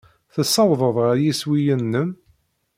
Tessawḍed ɣer yiswiyen-nnem?